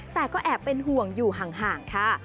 แต่ก็แอบเป็นห่วงอยู่ห่างค่ะ